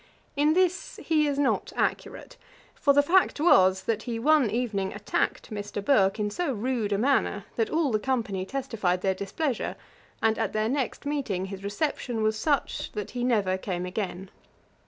In this he is not accurate; for the fact was, that he one evening attacked Mr. Burke, in so rude a manner, that all the company testified their displeasure; and at their next meeting his reception was such, that he never came again.